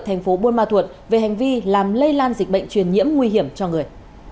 tp buôn ma thuột về hành vi làm lây lan dịch bệnh truyền nhiễm nguy hiểm cho người